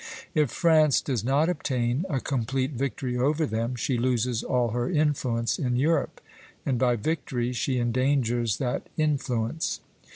If France does not obtain a complete victory over them, she loses all her influence in Europe, and by victory she endangers that influence.